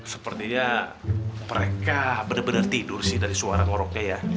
sepertinya mereka bener bener tidur sih dari suara ngoroknya ya